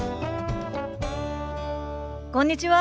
こんにちは。